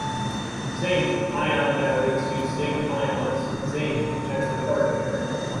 Zinc (ion) batteries use zinc ions (Zn) as the charge carrier.